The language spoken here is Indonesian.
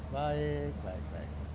baik baik baik